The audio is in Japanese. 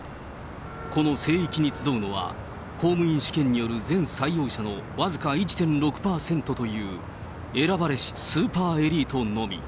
この聖域に集うのは、公務員試験による全採用者の僅か１．６％という、選ばれしスーパーエリートのみ。